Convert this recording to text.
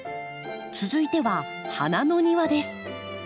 続いては花の庭です。